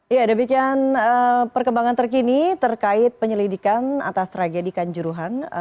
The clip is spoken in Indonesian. ya demikian perkembangan terkini terkait penyelidikan atas tragedikan juruhan